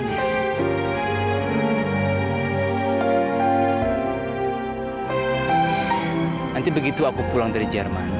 nanti begitu aku pulang dari jerman